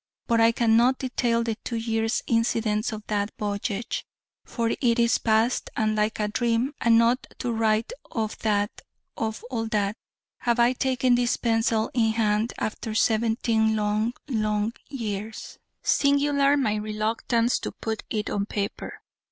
But I cannot detail the two years' incidents of that voyage: for it is past, and like a dream: and not to write of that of all that have I taken this pencil in hand after seventeen long, long years. Singular my reluctance to put it on paper.